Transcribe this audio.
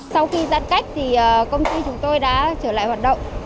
sau khi giãn cách thì công ty chúng tôi đã trở lại hoạt động